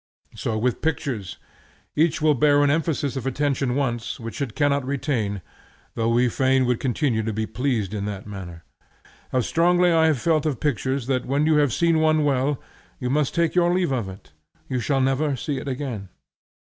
So with pictures; each will bear an emphasis of attention once, which it cannot retain, though we fain would continue to be pleased in that manner. How strongly I have felt of pictures that when you have seen one well, you must take your leave of it; you shall never see it again.